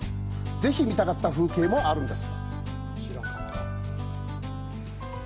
ぜひ見たかった風景もあるんです。